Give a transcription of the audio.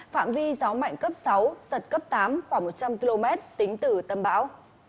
phạm vi gió mạnh cấp sáu giật cấp tám khoảng một trăm linh km tính từ tâm bão